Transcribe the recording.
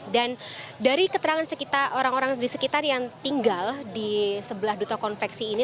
dan dari keterangan orang orang di sekitar yang tinggal di sebelah duto konveksi ini